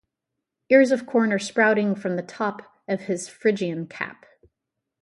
Ears of corn are sprouting from the top of his Phrygian cap.